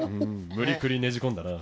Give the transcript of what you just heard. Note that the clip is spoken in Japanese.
無理くりねじ込んだな。